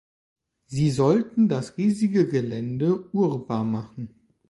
Sie sollten das riesige Gelände urbar machen.